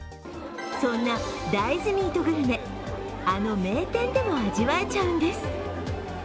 そんな大豆ミートグルメあの名店でも味わえちゃうんです。